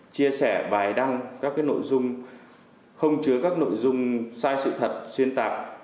chia sẻ vài đăng các nội dung không chứa các nội dung sai sự thật xuyên tạc